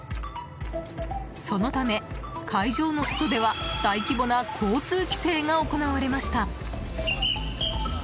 そのため、会場の外では大規模な交通規制が行われました。